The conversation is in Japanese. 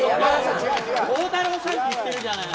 孝太郎さんって、言ってるじゃない。